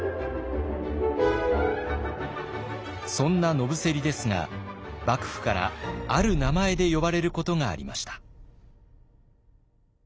そんな野伏ですが幕府からある名前で呼ばれることがありました。